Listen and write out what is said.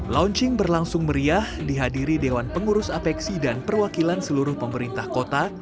launching berlangsung meriah dihadiri dewan pengurus apeksi dan perwakilan seluruh pemerintah kota